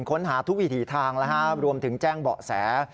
ค้นหาทุกวิถีทางรวมถึงแจ้งเบาะแส